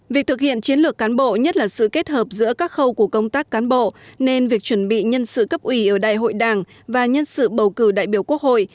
việc thực hiện chiến lược cán bộ nhất là sự kết hợp giữa các khâu của công tác cán bộ nên việc chuẩn bị nhân sự cấp ủy ở đại hội đảng và nhân sự bầu cử đại biểu quốc hội